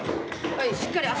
はいしっかり足。